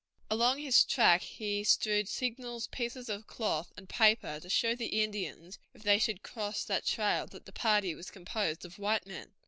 Along his track he strewed signals, pieces of cloth and paper, to show the Indians, if they should cross that trail, that the party was composed of white men.